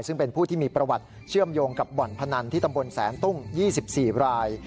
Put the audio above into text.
ซึ่งเป็นผู้ที่มีประวัติเชื่อมโยงกับบ่อนพนันที่ตำบลแสนตุ้ง๒๔ราย